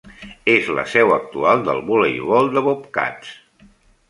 És la seu actual del voleibol de Bobcats.